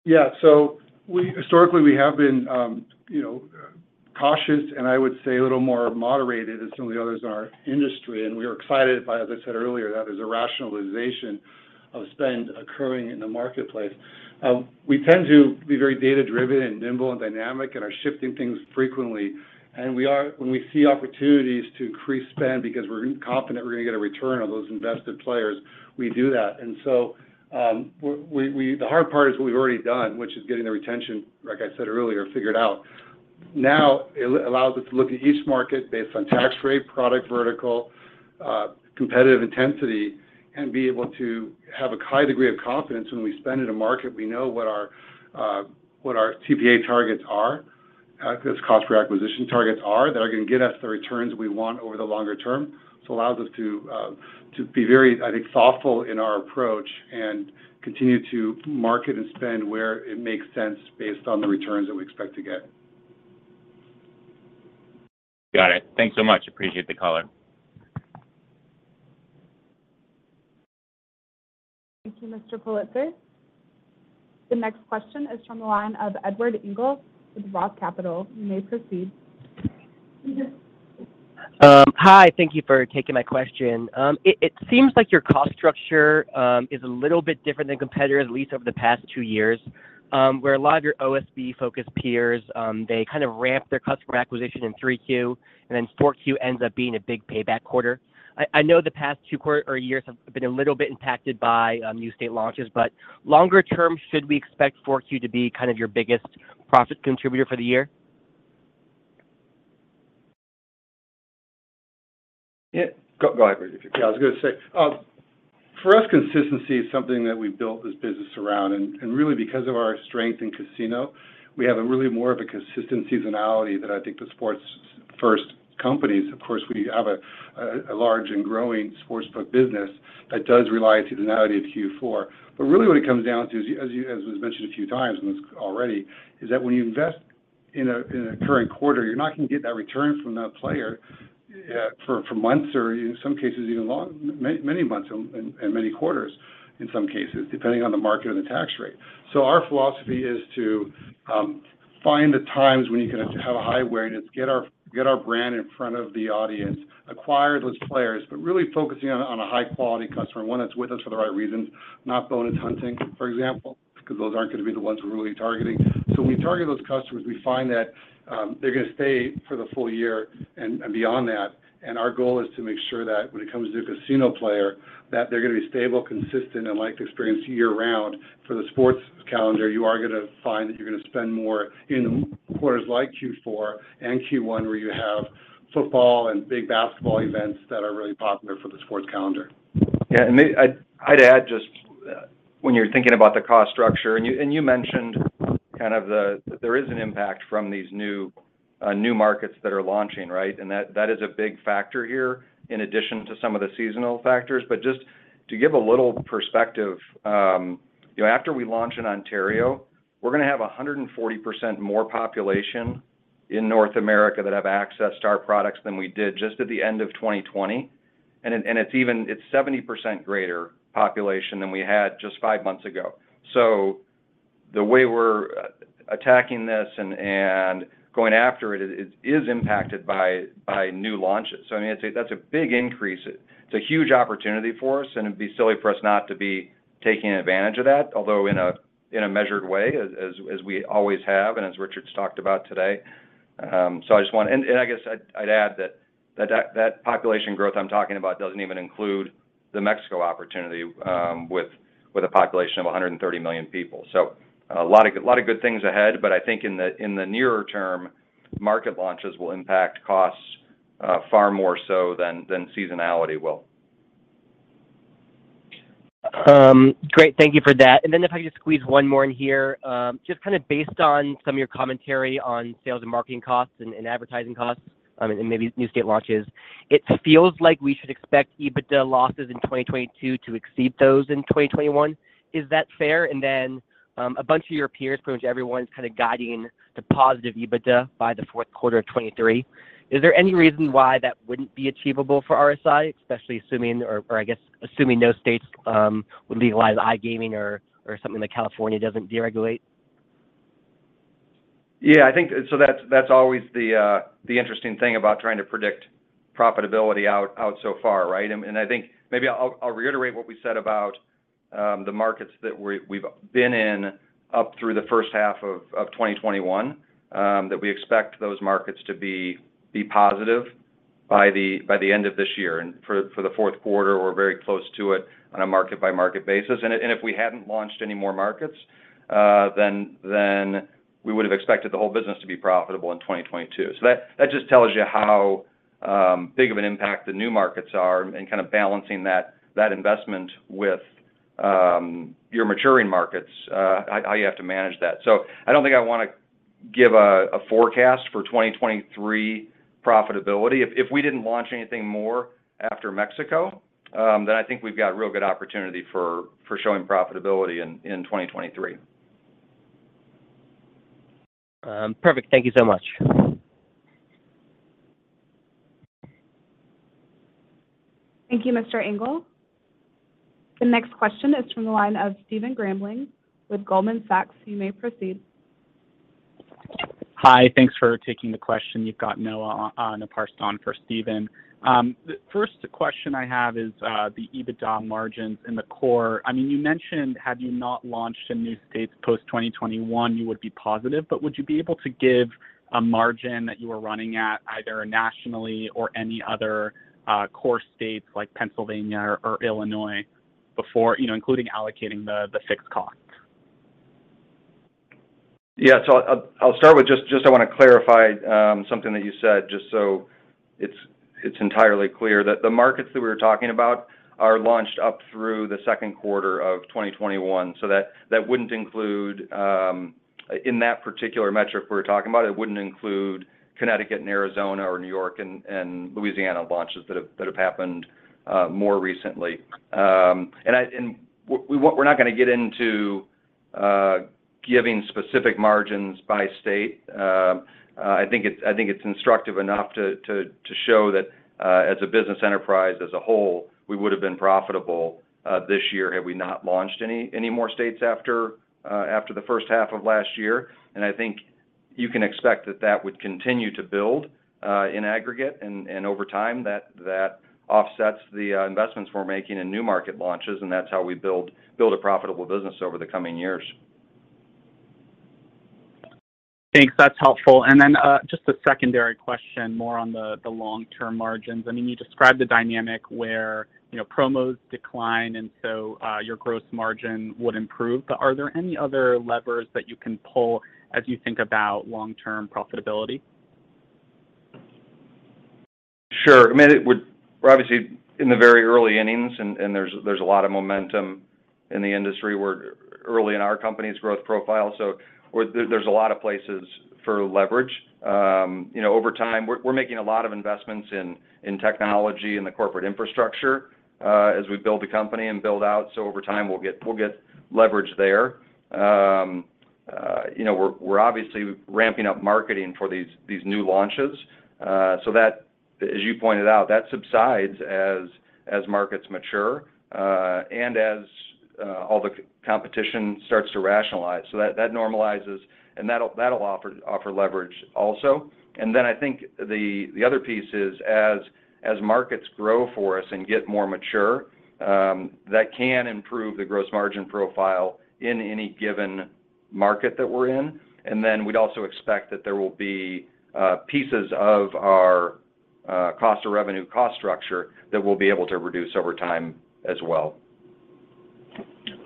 Yeah. We historically have been, you know, cautious, and I would say a little more moderated than some of the others in our industry. We are excited by, as I said earlier, that there's a rationalization of spend occurring in the marketplace. We tend to be very data-driven and nimble and dynamic and are shifting things frequently. We are when we see opportunities to increase spend because we're confident we're gonna get a return on those invested players, we do that. The hard part is what we've already done, which is getting the retention, like I said earlier, figured out. Now it allows us to look at each market based on tax rate, product vertical, competitive intensity, and be able to have a high degree of confidence when we spend in a market. We know what our CPA targets are, those cost per acquisition targets are that are gonna get us the returns we want over the longer term. This allows us to be very, I think, thoughtful in our approach and continue to market and spend where it makes sense based on the returns that we expect to get. Got it. Thanks so much. Appreciate the color. Thank you, Mr. Politzer. The next question is from the line of Edward Engel with Roth Capital. You may proceed. Hi. Thank you for taking my question. It seems like your cost structure is a little bit different than competitors, at least over the past two years, where a lot of your OSB-focused peers they kind of ramp their customer acquisition in Q3 and then Q4 ends up being a big payback quarter. I know the past two quarters or years have been a little bit impacted by new state launches, but longer term, should we expect Q4 to be kind of your biggest profit contributor for the year? Yeah. Go ahead, Rich, if you- Yeah, I was gonna say, for us, consistency is something that we've built this business around. Really because of our strength in casino, we have really more of a consistent seasonality than I think the sports first companies. Of course, we have a large and growing sportsbook business that does rely on seasonality of Q4. Really what it comes down to is, as was mentioned a few times already, is that when you invest in a current quarter, you're not gonna get that return from that player, for months or in some cases even many many months and many quarters in some cases, depending on the market or the tax rate. Our philosophy is to find the times when you can have a high awareness, get our brand in front of the audience, acquire those players, but really focusing on a high quality customer, and one that's with us for the right reasons, not bonus hunting, for example, 'cause those aren't gonna be the ones we're really targeting. When we target those customers, we find that they're gonna stay for the full year and beyond that. Our goal is to make sure that when it comes to a casino player, that they're gonna be stable, consistent, and like the experience year-round. For the sports calendar, you are gonna find that you're gonna spend more in quarters like Q4 and Q1, where you have football and big basketball events that are really popular for the sports calendar. Yeah. I'd add just when you're thinking about the cost structure and you mentioned that there is an impact from these new markets that are launching, right? That is a big factor here in addition to some of the seasonal factors. But just to give a little perspective, you know, after we launch in Ontario, we're gonna have 140% more population in North America that have access to our products than we did just at the end of 2020. It's even 70% greater population than we had just five months ago. The way we're attacking this and going after it is impacted by new launches. I mean, I'd say that's a big increase. It's a huge opportunity for us, and it'd be silly for us not to be taking advantage of that, although in a measured way as we always have and as Richard's talked about today. I guess I'd add that population growth I'm talking about doesn't even include the Mexico opportunity, with a population of 130 million people. A lot of good things ahead. I think in the nearer term, market launches will impact costs far more so than seasonality will. Great. Thank you for that. If I could just squeeze one more in here. Just kinda based on some of your commentary on sales and marketing costs and advertising costs, and maybe new state launches, it feels like we should expect EBITDA losses in 2022 to exceed those in 2021. Is that fair? A bunch of your peers, pretty much everyone's kinda guiding to positive EBITDA by the fourth quarter of 2023. Is there any reason why that wouldn't be achievable for RSI, especially assuming or I guess assuming no states would legalize iGaming or something like California doesn't deregulate? That's always the interesting thing about trying to predict profitability out so far, right? I think maybe I'll reiterate what we said about the markets that we've been in up through the first half of 2021, that we expect those markets to be positive by the end of this year. For the fourth quarter, we're very close to it on a market by market basis. If we hadn't launched any more markets, then we would've expected the whole business to be profitable in 2022. That just tells you how big of an impact the new markets are and kind of balancing that investment with your maturing markets, how you have to manage that. I don't think I wanna give a forecast for 2023 profitability. If we didn't launch anything more after Mexico, then I think we've got real good opportunity for showing profitability in 2023. Perfect. Thank you so much. Thank you, Mr. Engel. The next question is from the line of Stephen Grambling with Goldman Sachs. You may proceed. Hi. Thanks for taking the question. You've got Noah Naparst for Steven. The first question I have is the EBITDA margins in the core. I mean, you mentioned had you not launched in new states post 2021 you would be positive, but would you be able to give a margin that you are running at either nationally or any other core states like Pennsylvania or Illinois before you know, including allocating the fixed costs? Yeah. I'll start with I wanna clarify something that you said just so it's entirely clear. The markets that we were talking about are launched up through the second quarter of 2021, so that wouldn't include, in that particular metric we're talking about, it wouldn't include Connecticut and Arizona or New York and Louisiana launches that have happened more recently. We're not gonna get into giving specific margins by state. I think it's instructive enough to show that, as a business enterprise as a whole we would have been profitable this year had we not launched any more states after the first half of last year. I think you can expect that would continue to build in aggregate and over time that offsets the investments we're making in new market launches, and that's how we build a profitable business over the coming years. Thanks. That's helpful. Just a secondary question more on the long-term margins. I mean, you described the dynamic where, you know, promos decline and so, your gross margin would improve. Are there any other levers that you can pull as you think about long-term profitability? Sure. I mean, we're obviously in the very early innings and there's a lot of momentum in the industry. We're early in our company's growth profile, so there's a lot of places for leverage. You know, over time we're making a lot of investments in technology, in the corporate infrastructure, as we build the company and build out, so over time we'll get leverage there. You know, we're obviously ramping up marketing for these new launches. That, as you pointed out, subsides as markets mature, and as all the competition starts to rationalize. That normalizes, and that'll offer leverage also. I think the other piece is, as markets grow for us and get more mature, that can improve the gross margin profile in any given market that we're in. We'd also expect that there will be pieces of our cost of revenue cost structure that we'll be able to reduce over time as well.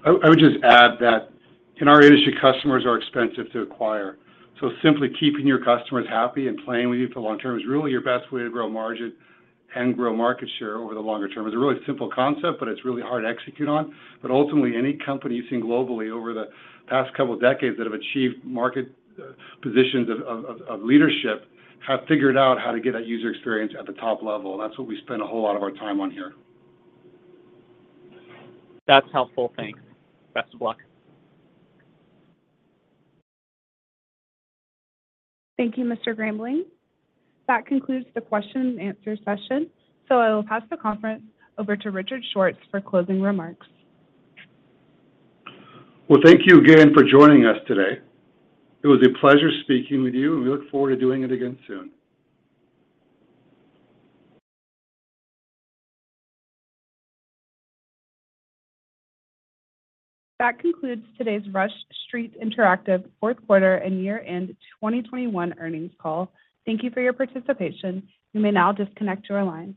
I would just add that in our industry, customers are expensive to acquire, so simply keeping your customers happy and playing with you for long term is really your best way to grow margin and grow market share over the longer term. It's a really simple concept, but it's really hard to execute on. Ultimately, any company you've seen globally over the past couple decades that have achieved market positions of leadership have figured out how to get that user experience at the top level. That's what we spend a whole lot of our time on here. That's helpful. Thanks. Best of luck. Thank you, Mr. Grambling. That concludes the question and answer session, so I will pass the conference over to Richard Schwartz for closing remarks. Well, thank you again for joining us today. It was a pleasure speaking with you, and we look forward to doing it again soon. That concludes today's Rush Street Interactive fourth quarter and year-end 2021 earnings call. Thank you for your participation. You may now disconnect your line.